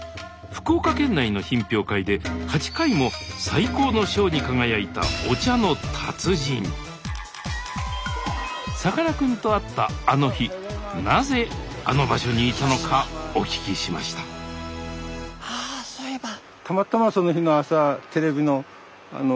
福岡県内の品評会で８回も最高の賞に輝いたさかなクンと会ったあの日なぜあの場所にいたのかお聞きしましたあそういえば。